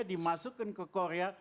dimasukkan ke korea